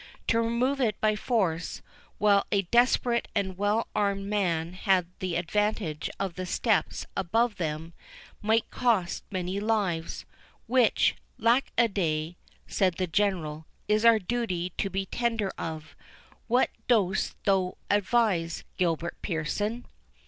To remove it by force, while a desperate and well armed man had the advantage of the steps above them, might cost many lives. "Which, lack a day," said the General, "it is our duty to be tender of. What dost thou advise, Gilbert Pearson?"